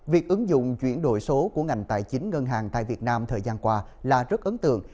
việc ứng dụng chuyển đổi số của ngành tài chính ngân hàng tại việt nam thời gian qua là rất ấn tượng